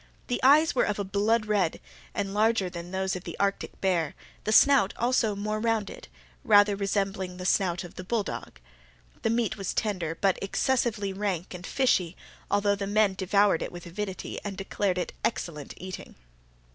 The eyes were of a blood red, and larger than those of the Arctic bear, the snout also more rounded, rather resembling the snout of the bulldog. The meat was tender, but excessively rank and fishy, although the men devoured it with avidity, and declared it excellent eating.